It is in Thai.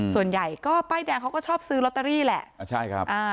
ส่วนใหญ่ก็ป้ายแดงเขาก็ชอบซื้อลอตเตอรี่แหละใช่ครับอ่า